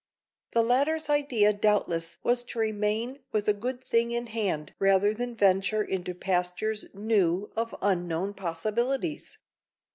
The latter's idea doubtless was to remain with a good thing in hand rather than venture into pastures new of unknown possibilities.